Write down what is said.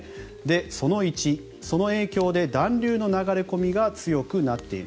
その１、その影響で暖流の流れ込みが強くなってくる。